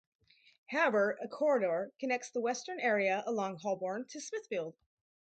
However a 'corridor' connects the western area along Holborn to Smithfield.